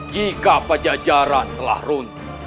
jika pejajaran telah runtuh